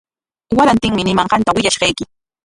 Warantinmi ñimanqanta willashqayki.